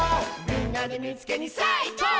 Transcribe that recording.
「みんなでみいつけにさあいこう！